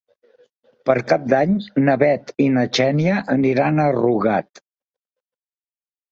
Per Cap d'Any na Bet i na Xènia aniran a Rugat.